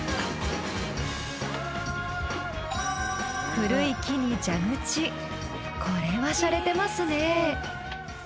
古い木に蛇口これはシャレてますね。